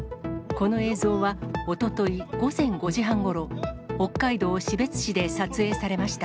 この映像は、おととい午前５時半ごろ、北海道士別市で撮影されました。